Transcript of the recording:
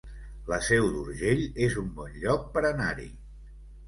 La Seu d'Urgell es un bon lloc per anar-hi